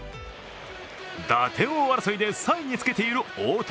打点王争いで３位につけている大谷。